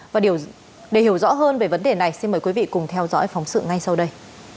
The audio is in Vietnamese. và để hiểu rõ hơn về vấn đề này xin mời quý vị cùng theo dõi phóng sự ngay sau đây